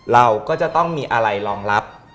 เราก็จะต้องมีอะไรรองรับ